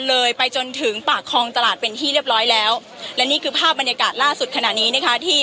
เลยไปจนถึงปากคลองตลาดเป็นที่เรียบร้อยแล้วและนี่คือภาพบรรยากาศล่าสุดขณะนี้นะคะที่